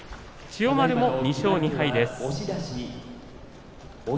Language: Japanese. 千代丸も２勝２敗です。